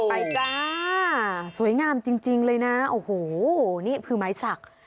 จ้าสวยงามจริงเลยนะโอ้โหนี่คือไม้สัก